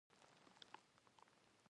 د ګردیز ګنیش مجسمه مشهوره ده